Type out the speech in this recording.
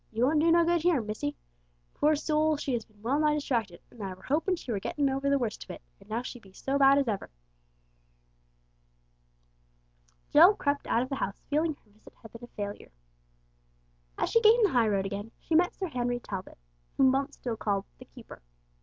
"You won't do no good here, missy. Poor soul! she has been well nigh distracted, and I were hopin' she were gettin' over the worst of it, and now she be so bad as ever!" Jill crept out of the house feeling her visit had been a failure. As she gained the high road again, she met Sir Henry Talbot, whom Bumps still called the "keeper."